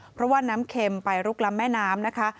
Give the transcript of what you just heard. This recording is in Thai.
เพราะว่าน้ำเข็มไปลุกล้ำแม่น้ำนะคะ